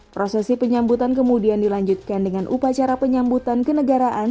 prosesi penyambutan kemudian dilanjutkan dengan upacara penyambutan kenegaraan